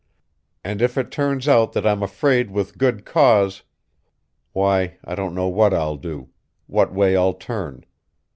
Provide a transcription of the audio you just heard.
And if it turns out that I'm afraid with good cause why, I don't know what I'll do, what way I'll turn.